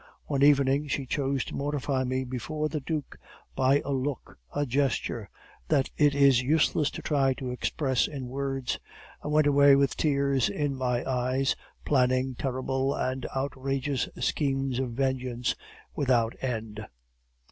One evening she chose to mortify me before the duke by a look, a gesture, that it is useless to try to express in words. I went away with tears in my eyes, planning terrible and outrageous schemes of vengeance without end.